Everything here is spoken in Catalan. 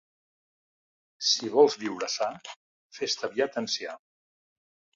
Si vols viure sa, fes-te aviat ancià.